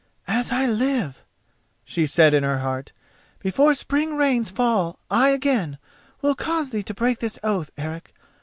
"As I live," she said in her heart, "before spring rains fall I again will cause thee to break this oath, Eric.